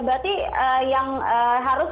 berarti yang harus